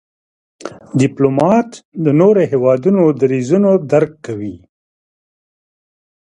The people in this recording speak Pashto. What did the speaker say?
ډيپلومات د نورو هېوادونو دریځونه درک کوي.